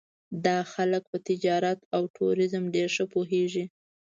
دا خلک په تجارت او ټوریزم ډېر ښه پوهېږي.